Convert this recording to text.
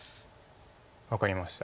分かりました。